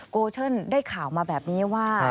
โกเชิญได้ข่าวมาแบบนี้ว่า